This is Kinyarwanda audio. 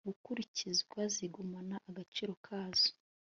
gukurikizwa zigumana agaciro kazo